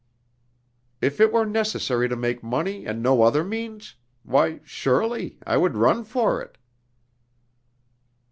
"If it were necessary to make money and no other means?... Why, surely! I would run for it."